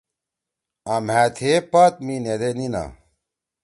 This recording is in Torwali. آں مھأ تھیے پات می نیدے نینا۔